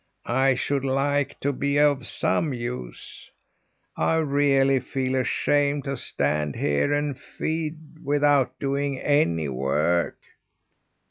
I should like to be of some use. I really feel ashamed to stand here and feed without doing any work."